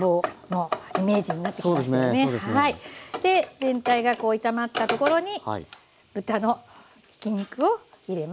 全体がこう炒まったところに豚のひき肉を入れます。